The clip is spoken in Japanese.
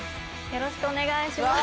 よろしくお願いします。